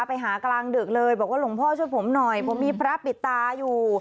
กลางดึกเลยบอกว่าหลวงพ่อช่วยผมหน่อยผมมีพระปิดตาอยู่